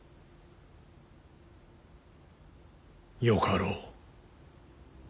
よかろう。